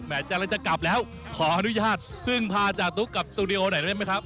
แม้จะกลับแล้วขออนุญาตเพิ่งพาจากตุ๊กกลับสตูดิโอไหนได้ไหมครับ